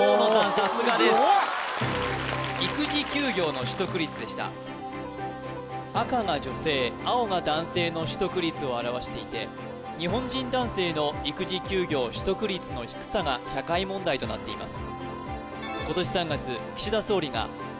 さすがです育児休業の取得率でした赤が女性青が男性の取得率を表していて日本人男性の育児休業取得率の低さが社会問題となっています